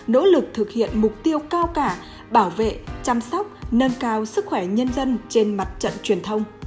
nỗ lực thực hiện mục tiêu cao cả bảo vệ chăm sóc nâng cao sức khỏe nhân dân trên mặt trận truyền thông